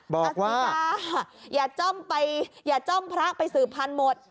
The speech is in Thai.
บอกว่าสิกาอย่าจ้อมพระไปสืบพันธุ์หมด